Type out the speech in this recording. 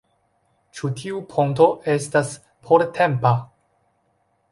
Ĉi tiu ponto estas portempa